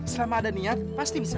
selama ada niat pasti bisa